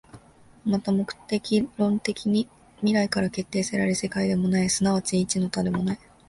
また目的論的に未来から決定せられる世界でもない、即ち一の多でもない。